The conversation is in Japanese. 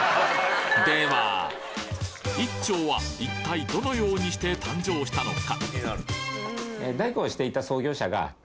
いっちょうは一体どのようにして誕生したのか？